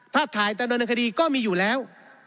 ภาพถ่ายตามนำคดีก็มีอยู่แล้ว